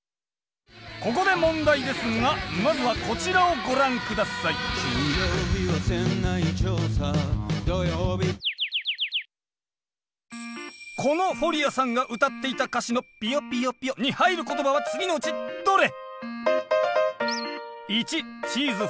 ここで問題ですがまずはこちらをご覧下さいこのフォリアさんが歌っていた歌詞の？に入る言葉は次のうちどれ？